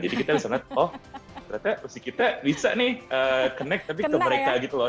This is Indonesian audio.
kita bisa lihat oh ternyata si kita bisa nih connect tapi ke mereka gitu loh